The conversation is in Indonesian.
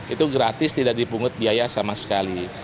itu gratis tidak dipungut biaya sama sekali